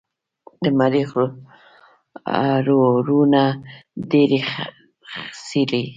د مریخ روورونه ډبرې څېړي.